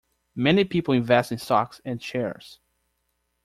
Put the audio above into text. Many people invest in stocks and shares